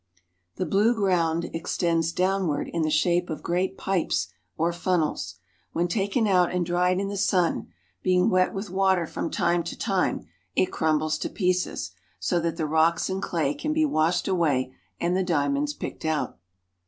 The blue ground extends downward in the shape of great pipes or funnels. When taken out and dried in the sun, being wet with water from time to time, it crumbles to pieces, so that the rocks and clay can be washed away and the diamonds picked out.